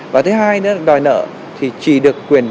và thứ hai nữa là đòi nợ thì chỉ được quyền